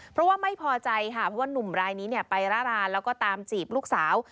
เพราะว่าไม่พอใจค่ะเพราะว่านุ่มรายนี้ไปร่ารานแล้วก็ตามจีบลูกสาว